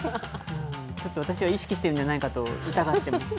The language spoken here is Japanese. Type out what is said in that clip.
ちょっと私は意識してるんじゃないかと疑ってます。